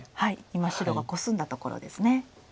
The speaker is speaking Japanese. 今白がコスんだところですね。